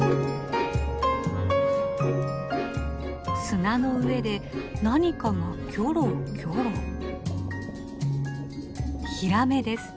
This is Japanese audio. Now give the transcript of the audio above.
砂の上で何かがキョロキョロ。